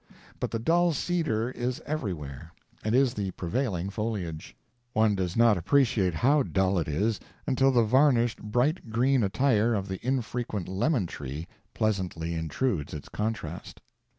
But the dull cedar is everywhere, and is the prevailing foliage. One does not appreciate how dull it is until the varnished, bright green attire of the infrequent lemon tree pleasantly intrudes its contrast.